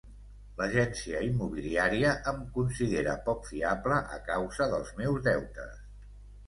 L'agència immobiliària em considera poc fiable a causa dels meus deutes.